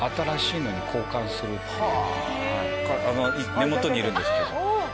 根元にいるんですけど。